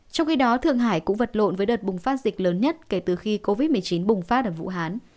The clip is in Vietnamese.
trong khi đó thượng hải cũng vật lộn với đợt bùng phát dịch lớn nhất kể từ khi covid một mươi chín bùng phát ở vũ hán